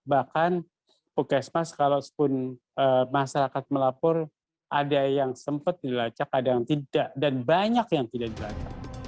bahkan pukesmas kalau sepun masyarakat melapor ada yang sempat dilacak ada yang tidak dan banyak yang tidak dilacak